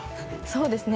「そうですね」